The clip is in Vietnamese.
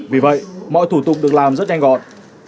vì vậy mọi thủ tục được làm rất nhanh gọn